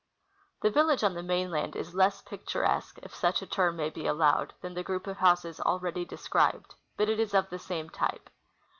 The village on the mainland is less picturesque, if such a term may be allowed, than the group of houses already described, but it is of the same type.